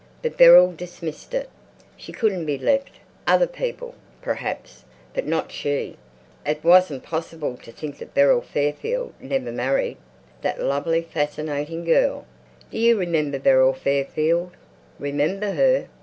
But Beryl dismissed it. She couldn't be left. Other people, perhaps, but not she. It wasn't possible to think that Beryl Fairfield never married, that lovely fascinating girl. "Do you remember Beryl Fairfield?" "Remember her!